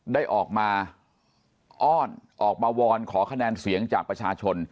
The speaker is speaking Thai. ได้ออกมาอ้อนออกมาวอนขอคะแนนเสียงจากประชาชน